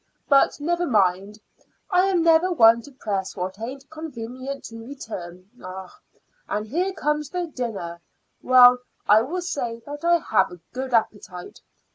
But never mind; I am never one to press what it ain't convenient to return. Ah! and here comes the dinner. Well, I will say that I have a good appetite.